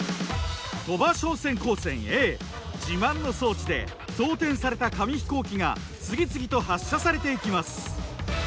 鳥羽商船高専Ａ自慢の装置で装填された紙飛行機が次々と発射されていきます。